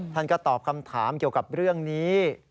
ท่านก็ตอบคำถามเกี่ยวกับเรื่องนี้